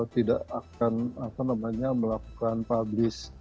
tidak akan melakukan publis